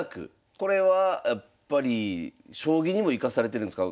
これはやっぱり将棋にも生かされてるんすか？